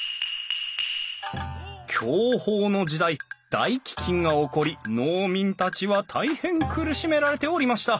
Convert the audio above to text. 享保の時代大飢饉が起こり農民たちは大変苦しめられておりました。